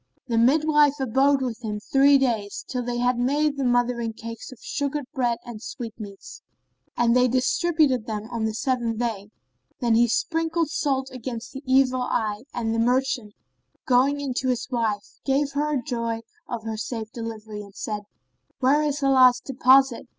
The midwife abode with them three days, till they had made the mothering cakes of sugared bread and sweetmeats; and they distributed them on the seventh day. Then they sprinkled salt against the evil eye and the merchant, going in to his wife, gave her joy of her safe delivery, and said, "Where is Allah's deposit?"